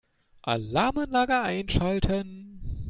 Alarmanlage einschalten.